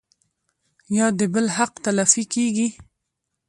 يا د بل حق تلفي کيږي